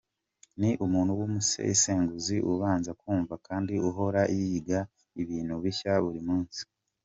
Ni umuntu w’umusesenguzi, ubanza kumva kandi uhora yiga ibintu bishya buri munsi.